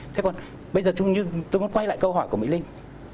thế còn bây giờ tôi muốn quay lại câu hỏi của mỹ linh